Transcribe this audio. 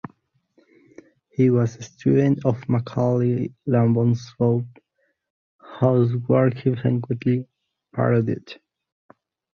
He was a student of Mikhail Lomonosov, whose works he frequently parodied.